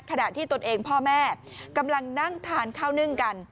ขณะที่ตนเองพ่อแม่กำลังนั่งทานข้าวนึ่งกัน